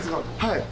はい。